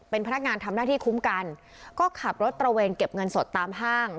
เป็นพนักงานทำหน้าที่คุ้มกันก็ขับรถตระเวนเก็บเงินสดตามห้าง